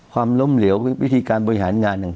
ความล้มเหลววิธีการบริหารงาน